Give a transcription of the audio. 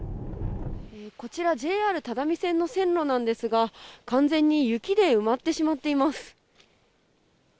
こちらＪＲ只見線の線路なんですが完全に雪で埋まってしまっています。